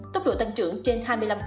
tốc độ tăng trưởng trên hai mươi năm